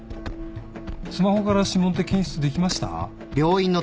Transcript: スマホから指紋って検出できました？